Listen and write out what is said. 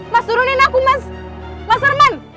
mas turunin aku mas mas arman